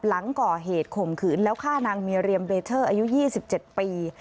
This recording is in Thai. หลังก่อเหตุข่มขืนแล้วฆ่านางเมียเรียมเบเทอร์อายุ๒๗ปี